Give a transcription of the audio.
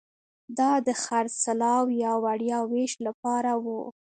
دا د خرڅلاو یا وړیا وېش لپاره وو